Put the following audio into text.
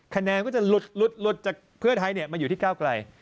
คะแนนก็จะหลุดจากเพื่อไทยมาอยู่ที่ก้าวไกล